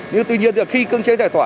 nhưng tuy nhiên khi cưỡng chế giải tỏa